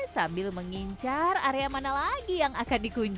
sambil mengincar area mana lagi yang akan dikunjungi